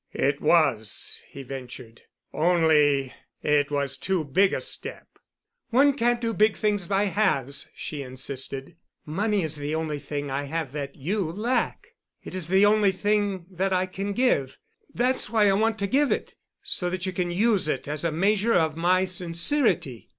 "It was," he ventured, "only it was too big a step." "One can't do big things by halves," she insisted. "Money is the only thing I have that you lack. It is the only thing that I can give—that's why I want to give it—so that you can use it as a measure of my sincerity.